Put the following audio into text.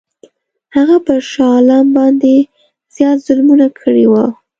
هغه پر شاه عالم باندي زیات ظلمونه کړي وه.